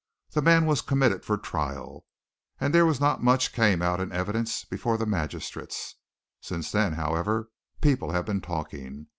The man was committed for trial, and there was not much came out in the evidence before the magistrates. Since then, however, people have been talking.